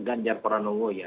ganjad pranowo ya